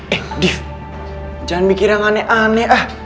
eh div jangan mikir yang aneh aneh